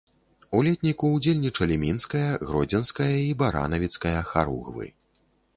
У летніку ўдзельнічалі мінская, гродзенская і баранавіцкая харугвы.